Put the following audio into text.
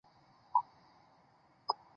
提供的服务包括话音。